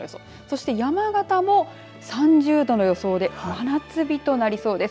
そして山形も３０度の予想で真夏日となりそうです。